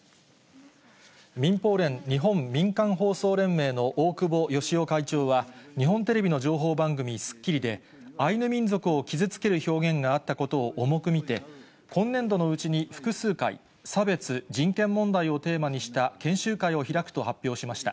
民放連・日本民間放送連盟の大久保好男会長は、日本テレビの情報番組、スッキリで、アイヌ民族を傷つける表現があったことを重く見て、今年度のうちに複数回、差別・人権問題をテーマにした研修会を開くと発表しました。